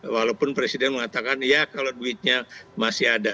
walaupun presiden mengatakan ya kalau duitnya masih ada